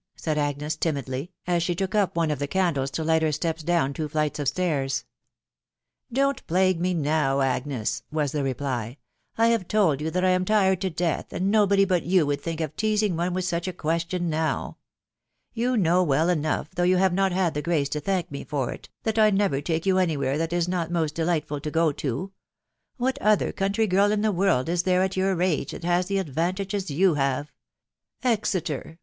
said Agnes timidly, as she took up one of the candles to light her steps down two flights of stairs. " Don't plague me now, Agnes," was the reply ; t€ 1 have told you that 1 am tired to death, and nobody but yon would think of teazing one with such a question now. Yon know well enough, though you have not had the grace to thank me for it, that I never take you any where that it is not moat delightful to go to. ••. What other country girl in the world is there at your age that has had the advantages you have .... Exeter